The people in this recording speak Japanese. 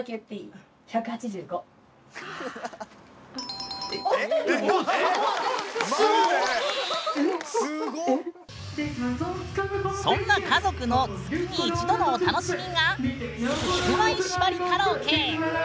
マジで⁉そんな家族の月に一度のお楽しみがすげえな！